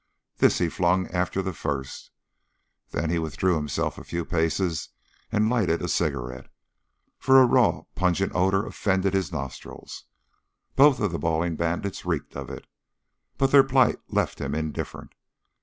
This he flung after the first, then he withdrew himself a few paces and lighted a cigarette, for a raw, pungent odor offended his nostrils. Both of the bawling bandits reeked of it, but their plight left him indifferent.